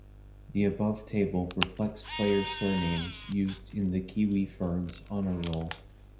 The above table reflects player surnames used in the Kiwi Ferns Honour Roll.